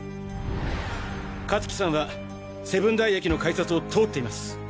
香月さんは瀬分台駅の改札を通っています。